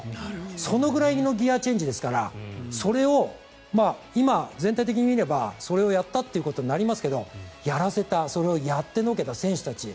そのぐらいのギアチェンジですからそれを今、全体的に見ればそれをやったということになりますがやらせたそれをやってのけた選手たち